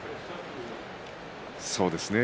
そうですね。